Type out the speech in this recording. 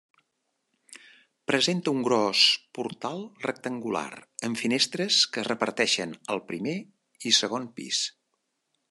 Presenta un gros portal rectangular amb finestres que es reparteixen al primer i segon pis.